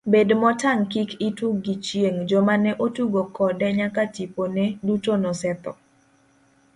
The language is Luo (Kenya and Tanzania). Bed motang' kik itug gi chieng' joma ne otugo kode nyaka gitipone, duto nosetho.